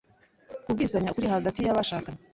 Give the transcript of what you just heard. Kubwizanya ukuri hagati y’abashakanye